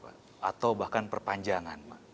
atau bahkan perpanjangan